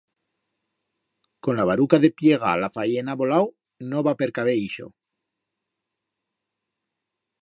Con la baruca de pllegar la fayena volau, no va percaver ixo.